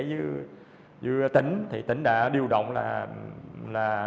giữa tỉnh thì tỉnh đã điều động là